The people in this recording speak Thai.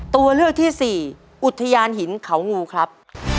ตัวเลือกที่สี่อุทยานหินเขางูครับ